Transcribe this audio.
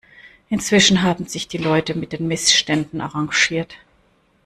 Inzwischen haben sich die Leute mit den Missständen arrangiert.